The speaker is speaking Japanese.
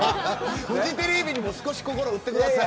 フジテレビにも少し心を売ってください。